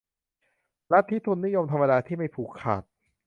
ลัทธิทุนนิยมธรรมดาที่ไม่ผูกขาด